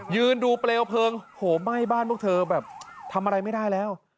ยืนดูเปลวเพลิงโหไหม้บ้านพวกเธอแบบทำอะไรไม่ได้แล้ว